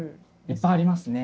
いっぱいありますね。